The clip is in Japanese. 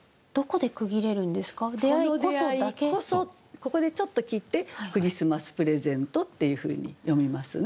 ここでちょっと切って「クリスマスプレゼント」っていうふうに読みますね。